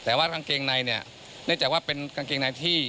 แต่ว่ากางเกงในเนี่ยเนื่องจากว่าเป็นกางเกงในที่